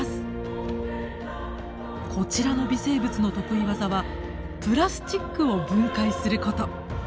こちらの微生物の得意技はプラスチックを分解すること。